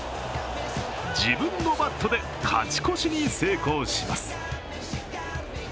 自分のバットで勝ち越しに成功します。